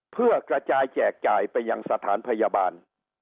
เพื่อกระจายแจกจ่ายไปยังสถานพยาบาล